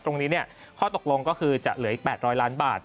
ตรงนี้ข้อตกลงก็คือจะเหลืออีก๘๐๐ล้านบาท